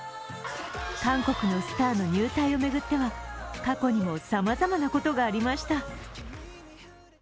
韓国のスターの入隊を巡っては過去にもさまざまなことがありました。